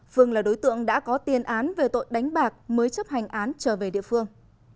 phương là đối tượng đã có tiền án về tội đánh bạc mới chấp hành án trở về địa phương